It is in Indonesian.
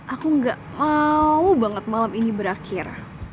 aku gak mau banget malam ini berakhir